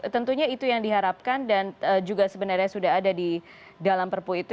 tentunya itu yang diharapkan dan juga sebenarnya sudah ada di dalam perpu itu